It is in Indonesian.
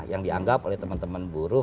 yang dianggap oleh teman teman buruh